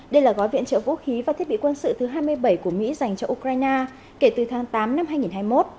đây là gói viện trợ vũ khí và thiết bị quân sự thứ hai mươi bảy của mỹ dành cho ukraine kể từ tháng tám năm hai nghìn hai mươi một